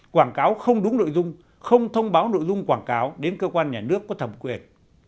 quảng cáo không đúng nội dung không thông báo nội dung quảng cáo đến cơ quan nhà nước có thẩm quyền